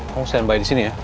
kamu selain baik di sini ya